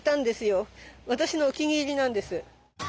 私のお気に入りなんです。